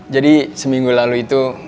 jadi seminggu lalu itu